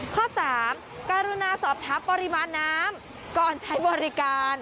ข้อ๓การุณาสอบถามปริมาณน้ำก่อนใช้บริการ